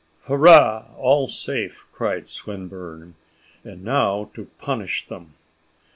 "Hurrah! all safe!" cried Swinburne; "and now to punish them."